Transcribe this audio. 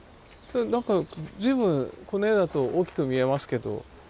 何か随分この絵だと大きく見えますけど。